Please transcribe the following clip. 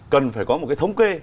cần phải có một cái thống kê